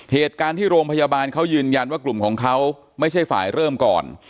เหตุการณ์ที่โรงพยาบาลเขายืนยันว่ากลุ่มของเขาไม่ใช่ฝ่ายเริ่มก่อน